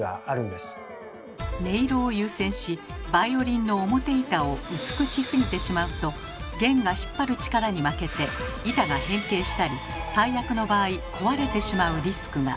音色を優先しバイオリンの表板を薄くしすぎてしまうと弦が引っ張る力に負けて板が変形したり最悪の場合壊れてしまうリスクが。